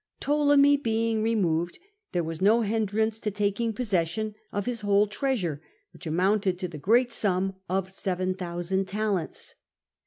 Ptolemy being removed, there was no hindrance to taking possession of his whole treasure, which amounted to the great sum of 7000 talents.